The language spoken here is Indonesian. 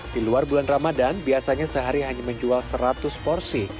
di luar bulan ramadan biasanya sehari hanya menjual seratus porsi